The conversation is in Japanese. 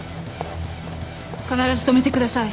必ず止めてください。